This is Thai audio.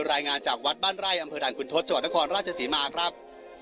รายงานจากวัดบ้านไร่อำเภอด่านคุณทศจังหวัดนครราชศรีมาครับ